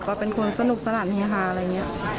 ก็เป็นคนสนุกสนานเฮฮาอะไรอย่างนี้